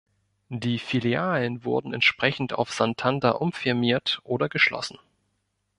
Die Filialen wurden entsprechend auf Santander umfirmiert oder geschlossen.